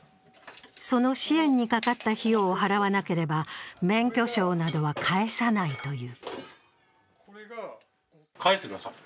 その支援にかかった費用を払わなければ免許証などは返さないという。